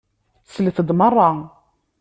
Slet-d meṛṛa!